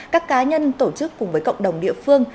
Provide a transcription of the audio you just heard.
các cá nhân tổ chức cùng với cộng đồng địa phương